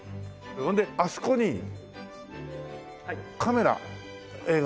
それであそこにカメラ映画の。